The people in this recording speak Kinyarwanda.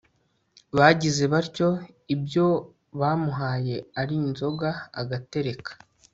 bagize batyo, ibyo bamuhaye ari inzoga agatereka